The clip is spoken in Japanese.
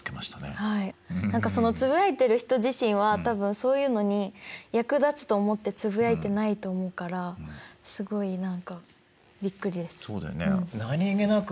何かそのつぶやいてる人自身は多分そういうのに役立つと思ってつぶやいてないと思うからすごい何かびっくりです。